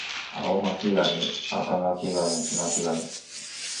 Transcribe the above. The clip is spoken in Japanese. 青巻紙赤巻紙黄巻紙